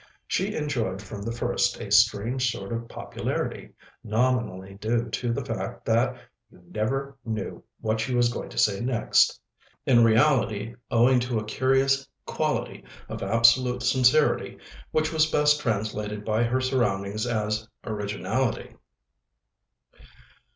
She enjoyed from the first a strange sort of popularity, nominally due to the fact that "you never knew what she was going to say next"; in reality owing to a curious quality of absolute sincerity which was best translated by her surroundings as "originality."